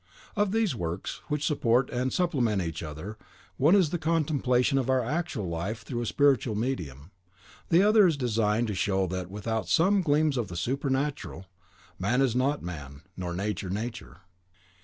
Of these works, which support and supplement each other, one is the contemplation of our actual life through a spiritual medium, the other is designed to show that, without some gleams of the supernatural, man is not man, nor nature nature.